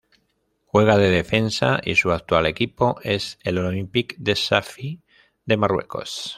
Juega de defensa y su actual equipo es el Olympique de Safi de Marruecos.